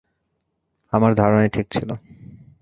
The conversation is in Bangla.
আমার ধারণাই ঠিক ছিল।